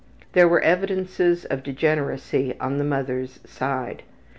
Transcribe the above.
There were evidences of degeneracy on the mother's side.